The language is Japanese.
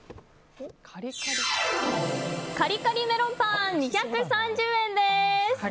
カリカリメロンパン２３０円です。